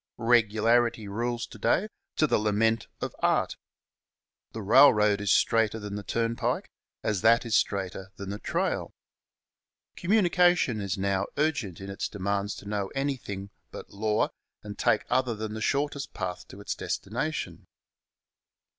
Regularity rules to day, to the lament of art. The railroad is straighter than the turnpike, as that is straighter than the trail. Communication is now too CHAP, xxx EVIDENCE 363 urgent in its demands to know anything but law and take other than the shortest path to its destination.